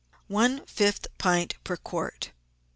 one fifth pint per quart.